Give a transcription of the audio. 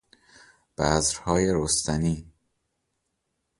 بذرهای رستنی